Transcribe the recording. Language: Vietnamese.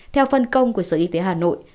theo phân công của sở y tế hà nội